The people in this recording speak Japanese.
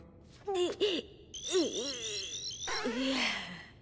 うっ！